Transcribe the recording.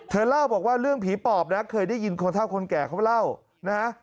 เล่าบอกว่าเรื่องผีปอบนะเคยได้ยินคนเท่าคนแก่เขาเล่านะฮะ